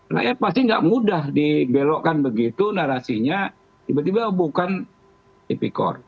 rakyat pasti nggak mudah dibelokkan begitu narasinya tiba tiba bukan tipikor